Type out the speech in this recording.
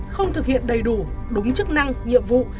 không thực hiện đầy đủ đúng chức năng nhiệm vụ